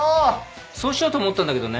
そうしようと思ったんだけどね